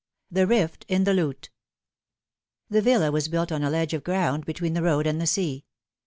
THE EIFT IN THE LUTE. THE villa was built on a ledge of ground between the road and the sea.